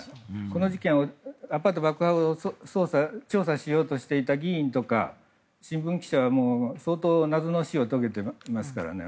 この事件を調査しようとしていた議員とか新聞記者は相当謎の死を遂げてますからね。